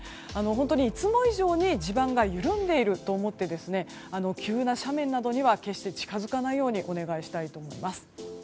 本当にいつも以上に地盤が緩んでいると思って急な斜面などには決して近づかないようにお願いしたいと思います。